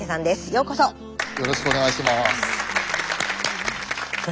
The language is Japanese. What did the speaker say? よろしくお願いします。